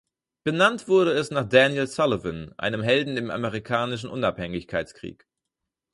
Benannt wurde es nach Daniel Sullivan, einem Helden im Amerikanischen Unabhängigkeitskrieg.